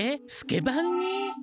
スケバンに？